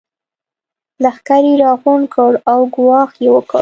لښکر يې راغونډ کړ او ګواښ يې وکړ.